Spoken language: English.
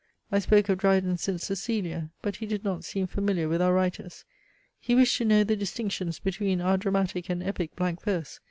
I spoke of Dryden's ST. CECILIA; but he did not seem familiar with our writers. He wished to know the distinctions between our dramatic and epic blank verse.